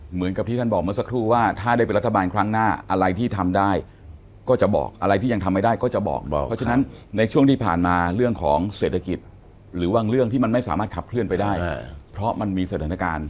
เหมือนกับที่ท่านบอกเมื่อสักครู่ว่าถ้าได้เป็นรัฐบาลครั้งหน้าอะไรที่ทำได้ก็จะบอกอะไรที่ยังทำไม่ได้ก็จะบอกเราเพราะฉะนั้นในช่วงที่ผ่านมาเรื่องของเศรษฐกิจหรือบางเรื่องที่มันไม่สามารถขับเคลื่อนไปได้เพราะมันมีสถานการณ์